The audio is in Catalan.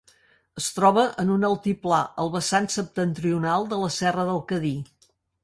Es troba en un altiplà al vessant septentrional de la serra del Cadí.